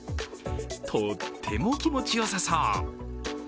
とっても気持ちよさそう。